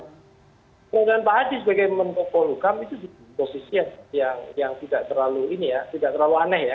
bukan pak haji sebagai mempokok lukam itu posisi yang tidak terlalu aneh ya